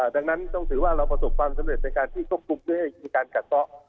ดังนั้นต้องถือว่าเราประสบความสำเร็จในการที่โชคกลุ่มด้วยการกัดเซาะ